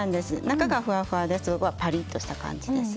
中がふわふわで外はパリッとした感じです。